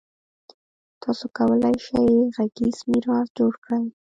تاسو کولای شئ غږیز میراث جوړ کړئ.